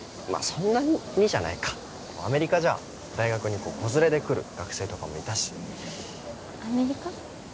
そんなにじゃないかアメリカじゃ大学に子連れで来る学生とかもいたしアメリカ？